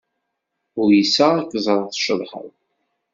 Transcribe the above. Uyseɣ ad k-ẓreɣ tceṭṭḥeḍ.